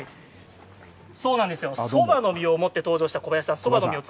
そばの実を持って登場した小林さん。